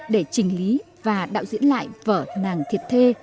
để trình lý và đạo diễn lại vở nàng thiệt thê